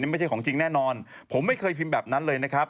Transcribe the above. ไม่ใช่ของจริงแน่นอนผมไม่เคยพิมพ์แบบนั้นเลยนะครับ